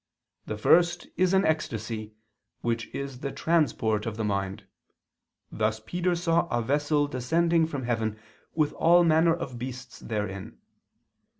The first is an ecstasy, which is the transport of the mind: thus Peter saw a vessel descending from heaven with all manner of beasts therein.